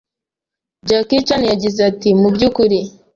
Jackie Chan yagize ati “Mu by’ukuri,